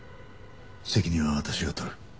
責任は私が取る。